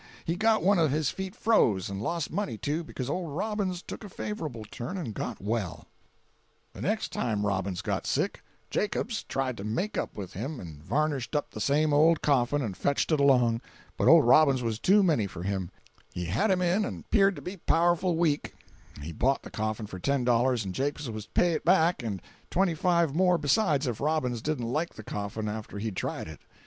He got one of his feet froze, and lost money, too, becuz old Robbins took a favorable turn and got well. 387.jpg (61K) The next time Robbins got sick, Jacops tried to make up with him, and varnished up the same old coffin and fetched it along; but old Robbins was too many for him; he had him in, and 'peared to be powerful weak; he bought the coffin for ten dollars and Jacops was to pay it back and twenty five more besides if Robbins didn't like the coffin after he'd tried it.